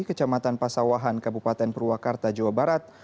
kecamatan pasawahan kabupaten purwakarta jawa barat